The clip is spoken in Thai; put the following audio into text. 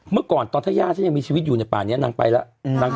เมื่อก่อนตอนถ้าหญ้าจะยังมีชีวิตอยู่ในป่านี้น้ำไปแล้วอืมฮะ